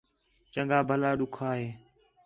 چَنڳا بَھلا ݙُکّھا ہے